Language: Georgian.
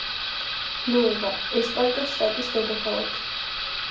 ნუევა-ესპარტას შტატის დედაქალაქი.